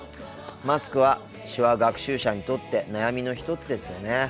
マスクは手話学習者にとって悩みの一つですよね。